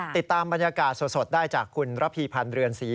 ติดตามบรรยากาศสดได้จากคุณระพีพันธ์เรือนศรี